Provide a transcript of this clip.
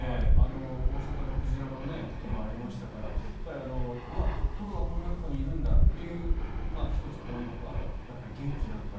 大阪の鯨のこともありましたからうわ、トドがこんなところにいるんだっていう１つ、ポイントとあと、元気なのかな